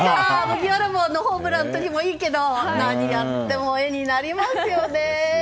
麦わら帽のホームランの時もいいけど何やっても画になりますよね。